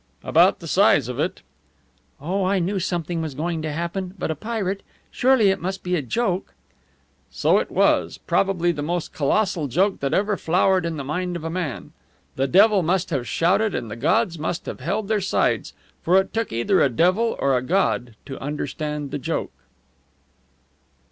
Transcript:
"About the size of it." "Oh, I knew something was going to happen! But a pirate! Surely it must be a joke?" So it was probably the most colossal joke that ever flowered in the mind of a man. The devil must have shouted and the gods must have held their sides, for it took either a devil or a god to understand the joke.